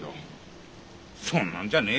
そんなんじゃねえよ。